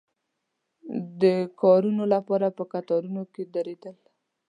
د کارونو لپاره په کتارونو کې درېدل.